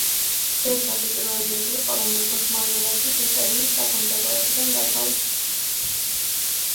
ბერძნები პირველი ერი იყო, რომელიც ოსმალეთის იმპერიის დაქვემდებარებიდან გათავისუფლდა.